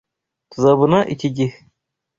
Tuzabona iki gihe.